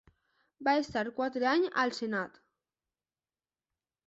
Va estar quatre anys al senat.